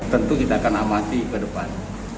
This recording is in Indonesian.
tentu kita akan amati ke depan